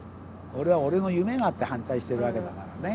俺は俺の夢があって反対してるわけだからね。